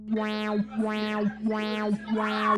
Takže blahopřeji panu Mitchellovi k této zprávě.